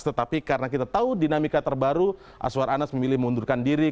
tetapi karena kita tahu dinamika terbaru aswar anas memilih mengundurkan diri